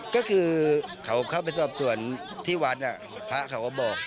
ก็คือเขาเข้าไปสอบส่วนที่วัดพระเขาก็บอก